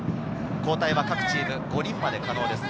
交代は各チーム５人まで可能です。